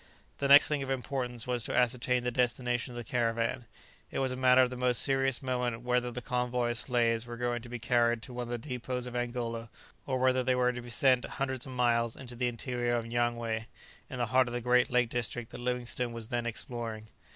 The next thing of importance was to ascertain the destination of the caravan. It was a matter of the most serious moment whether the convoy of slaves were going to be carried to one of the dépôts of Angola, or whether they were to be sent hundreds of miles into the interior to Nyangwe, in the heart of the great lake district that Livingstone was then exploring.